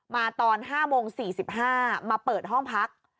ตอน๕โมง๔๕มาเปิดห้องพัก